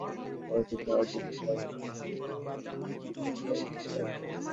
অফুরান গোলে দর্শক যতই রোমাঞ্চিত হন, ডিফেন্ডারদের জন্য সেটা দৃষ্টিসুখকর কিছু নয়।